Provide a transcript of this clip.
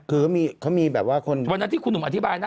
เทปนี้มีแบบว่าคือเวทีวันนั้นที่คุณหนูอธิบายจะเห็น